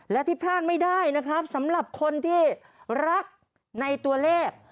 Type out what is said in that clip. และที่พลาดไม่ได้นะครับสำหรับคนที่รักในตัวเลข